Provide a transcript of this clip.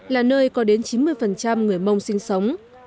là nơi có đến chín mươi người mông sinh sống